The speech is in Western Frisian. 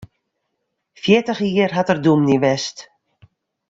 Fjirtich jier hat er dûmny west.